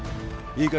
いいか？